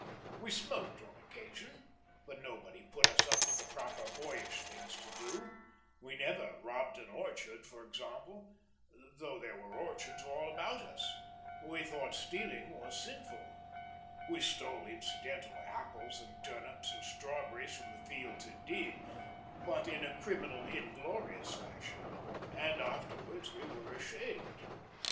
We smoked on occasion, but nobody put us up to the proper "boyish" things to do; we never "robbed an orchard" for example, though there were orchards all about us, we thought stealing was sinful, we stole incidental apples and turnips and strawberries from the fields indeed, but in a criminal inglorious fashion, and afterwards we were ashamed.